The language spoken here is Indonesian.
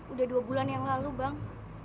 udah dua bulan yang lalu bang